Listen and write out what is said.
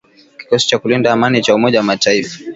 kikosi cha kulinda amani cha umoja wa mataifa